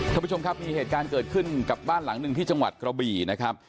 ท่านผู้ชมครับมีเหตุการณ์เกิดขึ้นกับบ้านหลังหนึ่งที่จังหวัดกระบี่นะครับ